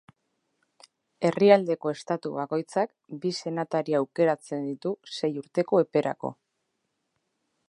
Herrialdeko estatu bakoitzak, bi senatari aukeratzen ditu sei urteko eperako.